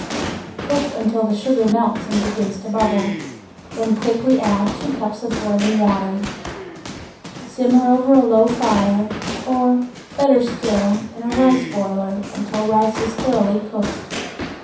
Cook until the sugar melts and begins to bubble; then quickly add two cups of boiling water. Simmer over a slow fire, or, better still, in a rice boiler until rice is thoroughly cooked.